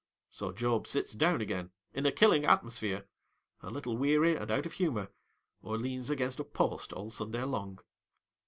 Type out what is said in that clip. So, Job sits down again in a killing atmosphere, a little weary and out of humour, or leans against a post all Sunday long.